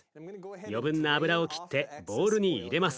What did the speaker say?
余分な油を切ってボウルに入れます。